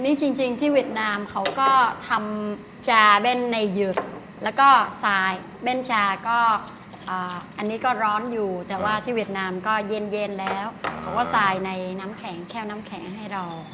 นี่จริงที่เวียดนามเขาก็ทำชาเบ้นในหยึกแล้วก็ทรายเบ้นชาก็อันนี้ก็ร้อนอยู่แต่ว่าที่เวียดนามก็เย็นแล้วเขาก็ทรายในน้ำแข็งแค่วน้ำแข็งให้เรา